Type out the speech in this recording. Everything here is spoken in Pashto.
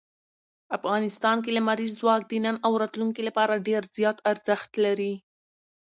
افغانستان کې لمریز ځواک د نن او راتلونکي لپاره ډېر زیات ارزښت لري.